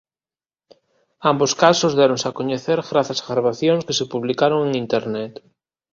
Ambos casos déronse a coñecer grazas a gravacións que se publicaron en Internet.